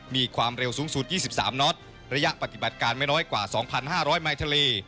มีความเร็วสูงสุดยี่สิบสามน็อตระยะปฏิบัติการไม่น้อยกว่าสองพันห้าร้อยมายทะเล